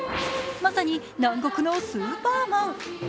まさに南国のスーパーマン。